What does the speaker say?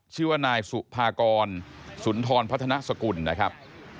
ชื่อว่านายสุภากรสุนทรพัฒนาสกุลนะครับ